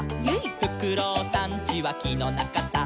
「フクロウさんちはきのなかさ」